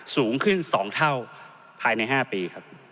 สูงขึ้น๒เท่าภายใน๕ปีครับ